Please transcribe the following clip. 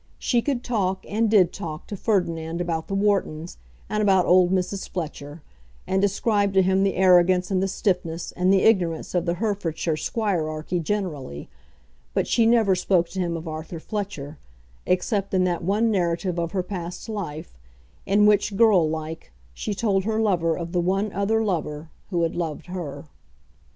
She could talk, and did talk, to Ferdinand about the Whartons, and about old Mrs. Fletcher, and described to him the arrogance and the stiffness and the ignorance of the Herefordshire squirearchy generally; but she never spoke to him of Arthur Fletcher, except in that one narrative of her past life, in which, girl like, she told her lover of the one other lover who had loved her.